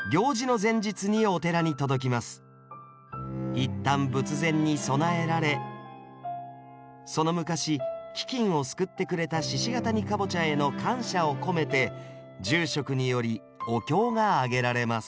一旦仏前に供えられその昔飢きんを救ってくれた鹿ケ谷かぼちゃへの感謝を込めて住職によりお経があげられます